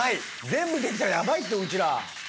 全部できたらヤバいってうちら。